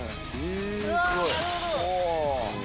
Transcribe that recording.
「うわなるほど」